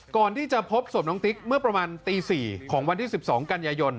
ก่อนที่จะพบศพน้องติ๊กเมื่อประมาณตี๔ของวันที่๑๒กันยายน